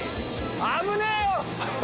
危ねえよ！